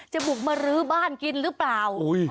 บุกมารื้อบ้านกินหรือเปล่า